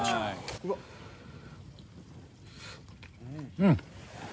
うん！